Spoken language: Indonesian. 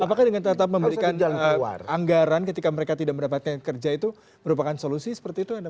apakah dengan tetap memberikan anggaran ketika mereka tidak mendapatkan kerja itu merupakan solusi seperti itu